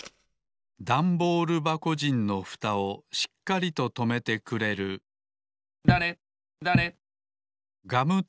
ダンボールばこじんのふたをしっかりととめてくれるだれだれ。